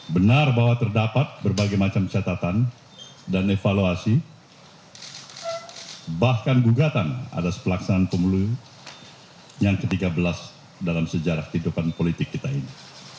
benar bahwa terdapat berbagai macam catatan dan evaluasi bahkan gugatan atas pelaksanaan pemilu yang ke tiga belas dalam sejarah kehidupan politik kita ini